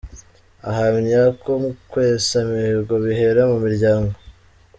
Ahamya ko kwesa imihigo bihera mu miryango.